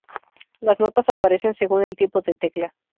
Las notas aparecen según el tipo de tecla.